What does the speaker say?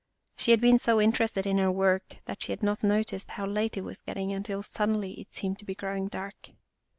She had been so interested in her work that she had not noticed how late it was getting until suddenly it seemed to be growing dark.